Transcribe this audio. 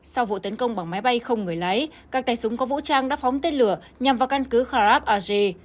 sau vụ tấn công bằng máy bay không người lái các tay súng có vũ trang đã phóng tên lửa nhằm vào căn cứ kharab aze